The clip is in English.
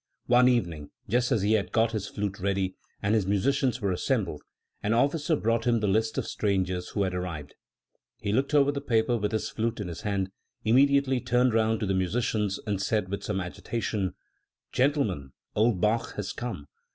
One evening, just as he had got his flute ready, and his musicians were assembled, an officer brought him the list of stran gers who had arrived. He looked over the paper with his flute in his hand, immediately turned round to the musicians, and said with some agitation, "Gentlemen, old Bach has come!"